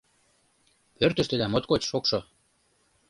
Пӧртыштыда моткоч шокшо...